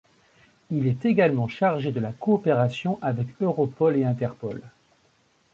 Il est également chargé de la coopération avec Europol et Interpol.